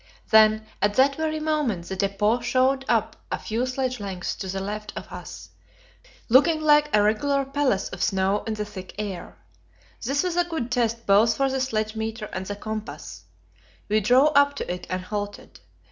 Then, at that very moment, the depot showed up a few sledge lengths to the left of us, looking like a regular palace of snow in the thick air. This was a good test both for the sledge meter and the compass. We drove up to it and halted.